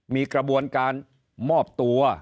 มีกระบวนการมอบตัว